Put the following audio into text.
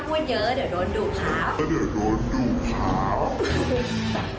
คือคุณพ่อเป็นคนห่อนแก่นใช่มั้ยค่ะคุณแม่เป็นคนรักษาพนม